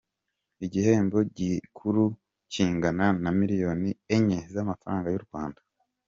Igihembo gikuru kingana na miliyoni enye z’amafaranga y’u Rwanda.